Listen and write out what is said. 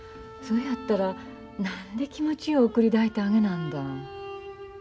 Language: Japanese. そいやったら何で気持ちよう送り出いてあげなんだん。